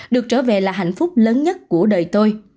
được trở về là hạnh phúc lớn nhất của đời tôi